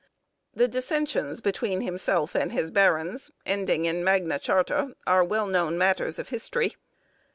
The dissensions between himself and his barons, ending in Magna Charta, are well known matters of history.